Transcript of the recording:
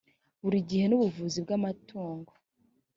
buri gihe n’ubuvuzi bw’amatungo